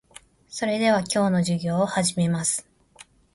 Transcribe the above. それでは、今日の授業を始めます。